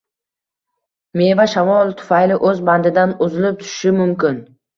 Meva shamol tufayli oʻz bandidan uzilib tushishi mumkin